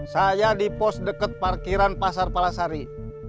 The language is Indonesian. saya di pos dekat parkiran pasar palasari